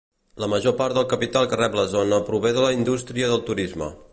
La major part del capital que rep la zona prové de la indústria del turisme.